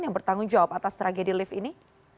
yang bertanggung jawab atas tragedi lift ini